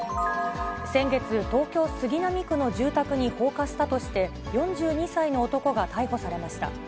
先月、東京・杉並区の住宅に放火したとして、４２歳の男が逮捕されました。